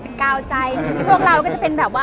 เป็นกาวใจพวกเราก็จะเป็นแบบว่า